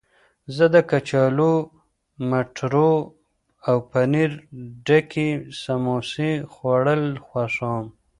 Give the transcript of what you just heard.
زه د کچالو، مټرو او پنیر ډکې سموسې خوړل خوښوم.